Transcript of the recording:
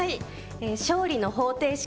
勝利の方程式。